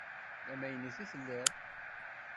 D tamaynut i telliḍ?